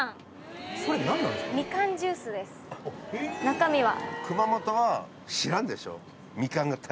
中身は。